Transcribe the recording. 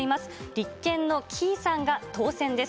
立憲の城井さんが当選です。